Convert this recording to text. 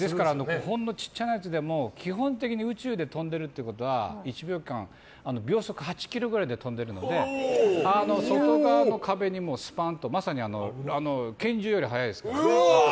ほんのちっちゃなやつでも基本的に宇宙で飛んでるということは１秒間、秒速８キロくらいで飛んでるので外側の壁にスパンとまさに拳銃より速いですから。